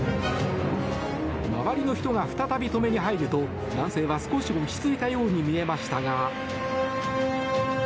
周りの人が再び止めに入ると男性は少し落ち着いたように見えましたが。